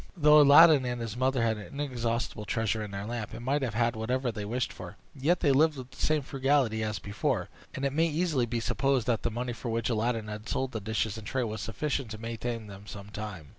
Though Aladdin and his mother had an inexhaustible treasure in their lamp, and might have had whatever they wished for, yet they lived with the same frugality as before, and it may easily be supposed that the money for which Aladdin had sold the dishes and tray was sufficient to maintain them some time.